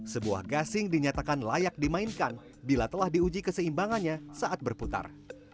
sebuah gasing dinyatakan layak dimainkan bila telah diuji keseimbangannya saat berputar